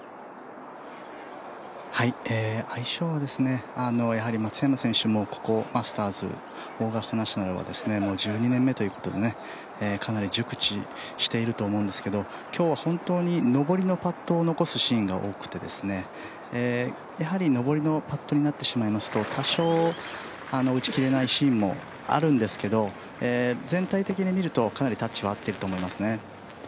相性は、やはり松山選手もここマスターズ、オーガスタ・ナショナルは１２年目ということでかなり熟知していると思うんですけど今日は本当に上りのパットを残すシーンが多くてやはり上りのパットになってしまいますと多少、打ち切れないシーンもあるんですけど全体的に見るとかなりタッチは合ってると思いますね。